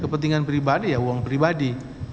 kepentingan pribadi ya uang pribadi